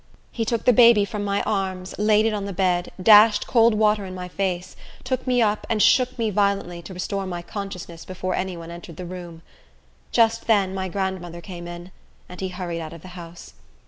He took the baby from my arms, laid it on the bed, dashed cold water in my face, took me up, and shook me violently, to restore my consciousness before any one entered the room. Just then my grandmother came in, and he hurried out of the house.